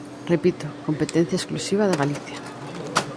Repito, competencia exclusiva de Galicia.